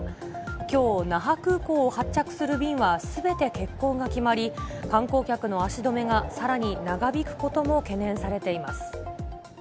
きょう、那覇空港を発着する便はすべて欠航が決まり、観光客の足止めがさらに長引くことも懸念されています。